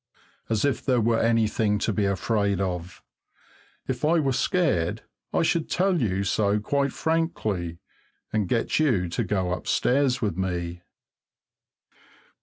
As if there were anything to be afraid of! If I were scared, I should tell you so quite frankly, and get you to go upstairs with me.